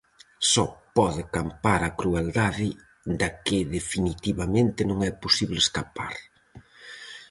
Só pode campar a crueldade da que definitivamente non é posible escapar.